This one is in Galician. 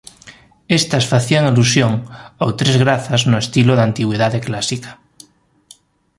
Estas facían alusión ao Tres Grazas no estilo da Antigüidade Clásica.